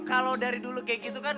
kalau dari dulu kayak gitu kan